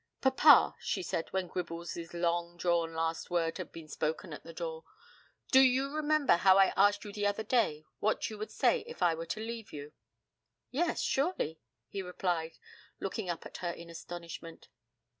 'Papa,' she said, when Gribbles' long drawn last word had been spoken at the door. 'Do you remember how I asked you the other day what you would say if I were to leave you?' 'Yes, surely,' he replied, looking up at her in astonishment.